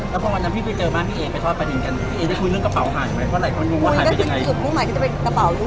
แล้วพอวันนั้นพี่เจอบ้านพี่เอ๋ไปทอดประดิษฐ์กันพี่เอ๋ได้คุยเรื่องกระเป๋าหายไหม